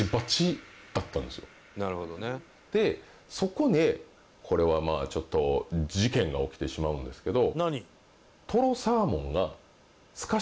でそこでこれはまあちょっと事件が起きてしまうんですけど。